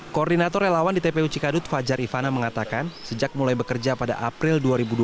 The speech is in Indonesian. koordinator relawan di tpu cikadut fajar ivana mengatakan sejak mulai bekerja pada april dua ribu dua puluh